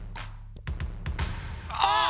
あっ！